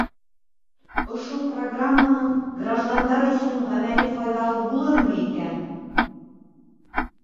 Ошо программаның граждандар өсөн ғәмәли файҙаһы булырмы икән?